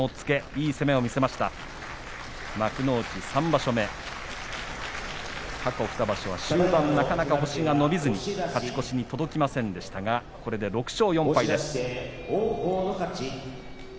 ３場所目過去２場所は終盤なかなか星が伸びずに勝ち越しに届きませんでしたがこれで６勝４敗です。